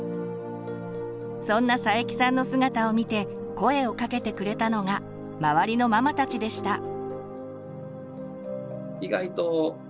そんな佐伯さんの姿を見て声をかけてくれたのが周りのママたちでした。